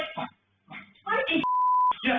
จนไม่รู้เลย